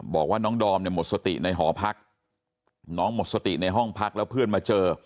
บอกว่าน้องดอมเนี่ยหมดสติในหอพักน้องหมดสติในห้องพักแล้วเพื่อนมาเจอ